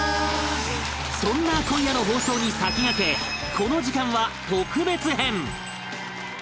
そんな今夜の放送に先駆けこの時間は特別編